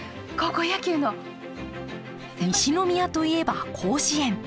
西宮といえば甲子園。